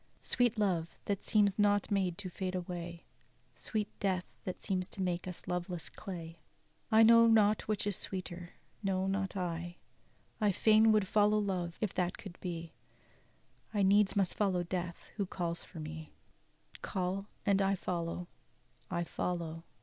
"Sweet love, that seems not made to fade away; Sweet death, that seems to make us loveless clay, I know not which is sweeter, no, not I. "I fain would follow love, if that could be; I needs must follow death, who calls for me; Call and I follow, I follow'!